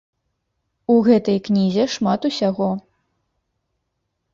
У гэтай кнізе шмат усяго.